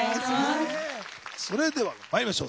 それではまりいましょう。